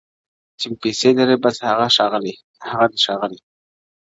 چي پیسې لري بس هغه دي ښاغلي.